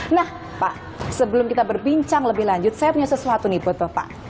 nah pak sebelum kita berbincang lebih lanjut saya punya sesuatu nih foto pak